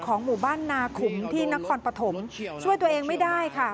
หมู่บ้านนาขุมที่นครปฐมช่วยตัวเองไม่ได้ค่ะ